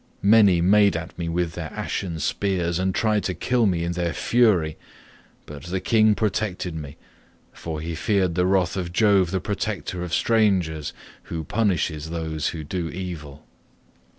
Many made at me with their ashen spears and tried to kill me in their fury, but the king protected me, for he feared the wrath of Jove the protector of strangers, who punishes those who do evil.